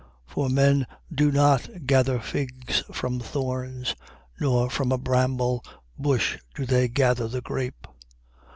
For men do not gather figs from thorns: nor from a bramble bush do they gather the grape.